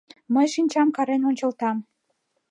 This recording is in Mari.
Мый шинчам карен ончылтам.